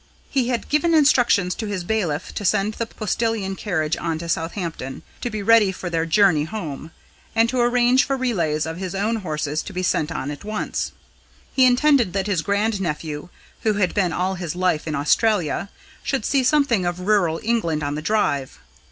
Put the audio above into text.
He had given instructions to his bailiff to send the postillion carriage on to Southampton, to be ready for their journey home, and to arrange for relays of his own horses to be sent on at once. He intended that his grand nephew, who had been all his life in Australia, should see something of rural England on the drive.